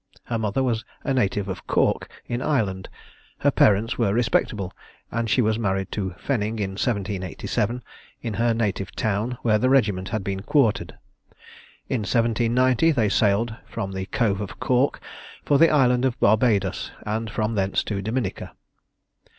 Her mother was a native of Cork, in Ireland: her parents were respectable, and she was married to Fenning in 1787, in her native town, where the regiment had been quartered. In 1790 they sailed from the Cove of Cork for the island of Barbadoes, and from thence to Dominica.